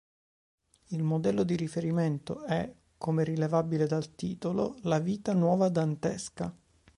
Il modello di riferimento è, come rilevabile dal titolo, la Vita Nuova dantesca.